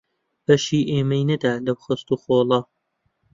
بەشی ئێمەی نەدا لەو خەست و خۆڵە